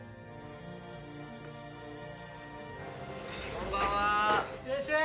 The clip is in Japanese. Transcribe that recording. こんばんは！